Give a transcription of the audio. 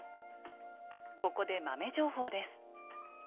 ここで豆情報です。